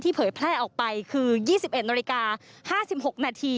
ที่เผยแพร่ออกไปคือ๒๑น๕๖น